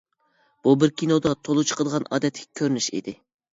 بۇ بىر كىنودا تولا چىقىدىغان ئادەتتىكى كۆرۈنۈش ئىدى.